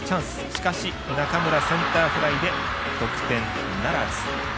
しかし、中村、センターフライで得点ならず。